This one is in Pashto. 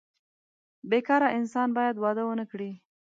بې کاره انسان باید واده ونه کړي.